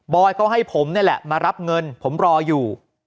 อยก็ให้ผมนี่แหละมารับเงินผมรออยู่